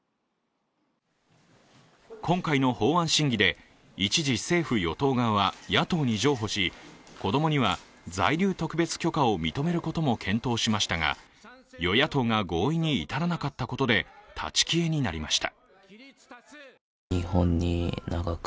今回の法案審議で一時政府・与党側は野党に譲歩し子供には在留特別許可を認めることも検討しましたが与野党が合意に至らなかったことで立ち消えになりました。